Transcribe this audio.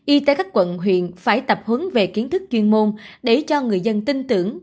y tế các quận huyện phải tập hướng về kiến thức chuyên môn để cho người dân tin tưởng